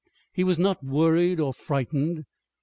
He was not worried or frightened.